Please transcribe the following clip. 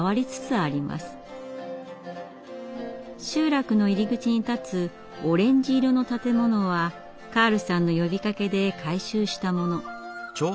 集落の入り口に建つオレンジ色の建物はカールさんの呼びかけで改修したもの。